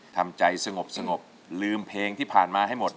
ทำใจสงบลืมเพลงที่ผ่านมาให้หมด